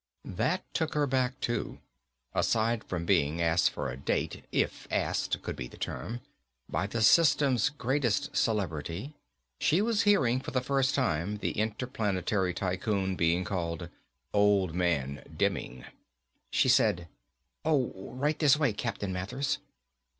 That took her back too. Aside from being asked for a date if asked could be the term by the system's greatest celebrity, she was hearing for the first time the interplanetary tycoon being called Old Man Demming. She said, "Oh, right this way, Captain Mathers."